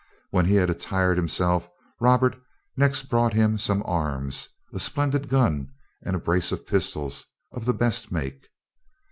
When he had attired himself, Robert next brought him some arms, a splendid gun and a brace of pistols of the best make.